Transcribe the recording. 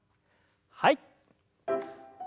はい。